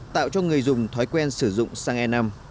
tạo cho người dùng thói quen sử dụng sang e năm